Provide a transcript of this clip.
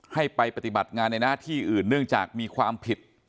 ให้ไปปฏิบัติงานในหน้าที่อื่นเนื่องจากมีความผิด